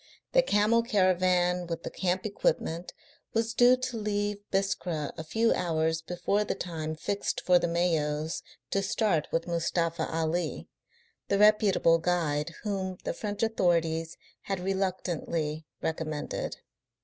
The camel caravan with the camp equipment was due to leave Biskra a few hours before the time fixed for the Mayos to start with Mustafa Ali, the reputable guide whom the French authorities had reluctantly recommended.